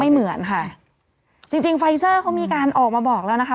เหมือนค่ะจริงจริงไฟเซอร์เขามีการออกมาบอกแล้วนะคะ